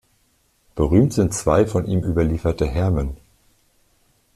Berühmt sind zwei von ihm überlieferte Hermen.